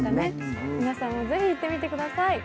皆さんもぜひ行ってみてください。